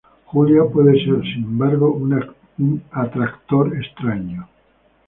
Julia puede ser sin embargo un atractor extraño.